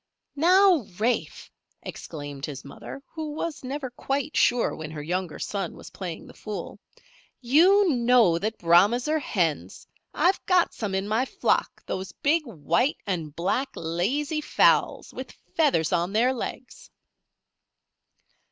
"Now, Rafe!" exclaimed his mother, who was never quite sure when her younger son was playing the fool. "You know that Brahmas are hens. I've got some in my flock those big white and black, lazy fowls, with feathers on their legs."